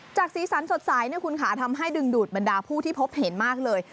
สีสันสดใสเนี่ยคุณค่ะทำให้ดึงดูดบรรดาผู้ที่พบเห็นมากเลย